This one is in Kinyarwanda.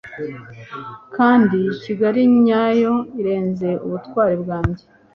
kandi kigali nyayo irenze ubutwari bwanjye